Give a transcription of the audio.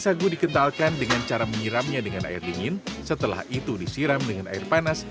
sagu dikentalkan dengan cara menyiramnya dengan air dingin setelah itu disiram dengan air panas